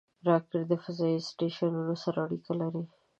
راکټ د فضایي سټیشنونو سره اړیکه لري